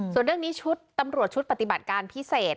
ส่วนเรื่องนี้ชุดตำรวจชุดปฏิบัติการพิเศษ